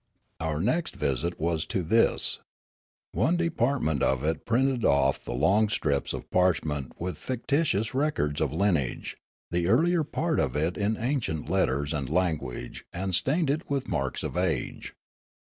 Our next visit was to this. One department of it printed off the long strips of parchment with fictitious records of lineage, the earlier part of it in ancient let ters and language and stained with the marks of age.